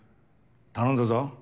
頼んだぞ。